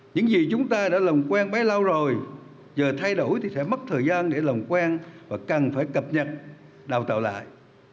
những gì chúng ta đã làm quen bấy lâu rồi giờ thay đổi thì sẽ mất thời gian để làm quen và cần phải cập nhật đào tạo lại